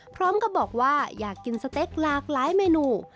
พร้อมกับบอกว่าอยากกินสเต็กหลากหลายเมนู